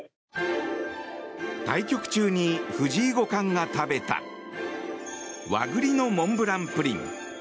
対局中に藤井五冠が食べた和栗のモンブランプリン。